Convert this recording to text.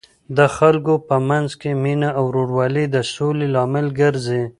د خلکو په منځ کې مینه او ورورولي د سولې لامل ګرځي.